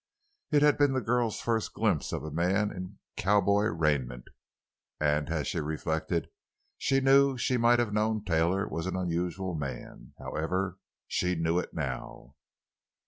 It had been the girl's first glimpse of a man in cowboy raiment, and, as she reflected, she knew she might have known Taylor was an unusual man. However, she knew it now.